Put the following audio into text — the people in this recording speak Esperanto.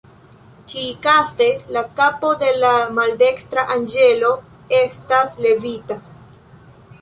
Ĉi-kaze, la kapo de la maldekstra anĝelo estas levita.